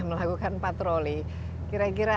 melakukan patroli kira kira